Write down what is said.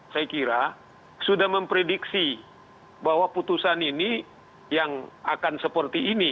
saya kira sudah memprediksi bahwa putusan ini yang akan seperti ini